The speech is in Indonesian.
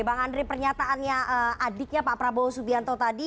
bang andri pernyataannya adiknya pak prabowo subianto tadi